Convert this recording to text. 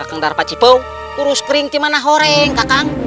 udah kering dimana kakang